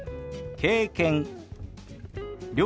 「経験」。